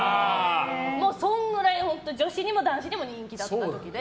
もうそれくらい女子にも男子にも人気だったので。